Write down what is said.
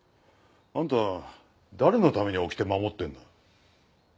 あんた誰のためにおきて守ってんだ？